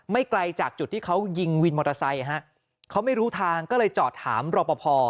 ไกลจากจุดที่เขายิงวินมอเตอร์ไซค์ฮะเขาไม่รู้ทางก็เลยจอดถามรอปภ